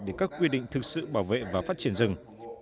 để các quy định thực sự bảo vệ và phát triển rừng